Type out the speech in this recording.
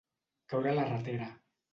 Caure a la ratera.